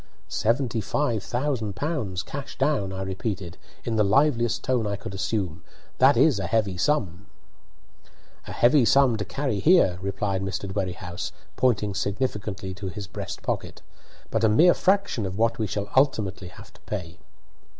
"Seventy five thousand pounds, cash down," I repeated, in the liveliest tone I could assume. "That is a heavy sum." "A heavy sum to carry here," replied Mr. Dwerrihouse, pointing significantly to his breastpocket, "but a mere fraction of what we shall ultimately have to pay."